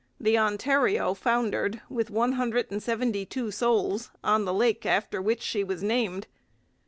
The Ontario foundered with one hundred and seventy two souls on the lake after which she was named.